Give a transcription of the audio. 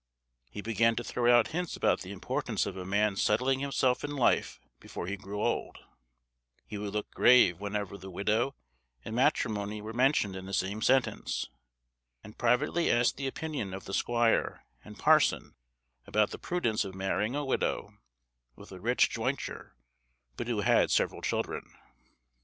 He began to throw out hints about the importance of a man's settling himself in life before he grew old; he would look grave whenever the widow and matrimony were mentioned in the same sentence; and privately asked the opinion of the squire and parson about the prudence of marrying a widow with a rich jointure, but who had several children.